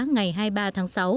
ngày hai mươi ba tháng sáu